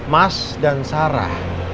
mas dan sarah